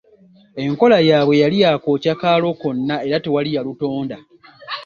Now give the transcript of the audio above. Enkola yaabwe yali ya kwokya kaalo konna era tewali ya lutonda.